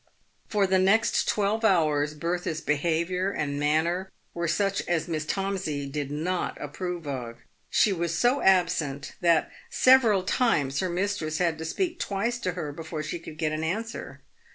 For the next twelve hours Bertha's behaviour and manner were 232 PAYED Wip GOLD. such as Miss Tomsey did not approve of. She was so absent that several times her mistress had to speak twice to her before she could get an answer.